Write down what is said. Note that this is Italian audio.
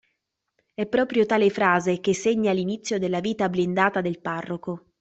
È proprio tale frase che segna l'inizio della vita blindata del parroco.